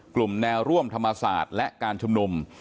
กลุ่มแนวร่วมธรรมศาสตร์และการชุมนุม